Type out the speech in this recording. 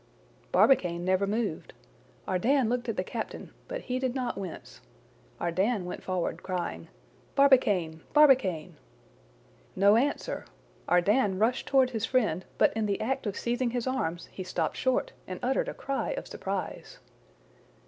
Barbicane never moved. Ardan looked at the captain, but he did not wince. Ardan went forward crying: "Barbicane! Barbicane!" No answer! Ardan rushed toward his friend; but in the act of seizing his arms, he stopped short and uttered a cry of surprise.